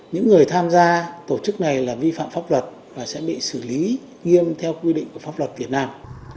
những người tham gia tổ chức này là vi phạm pháp luật và sẽ bị xử lý nghiêm theo quy định của pháp luật việt nam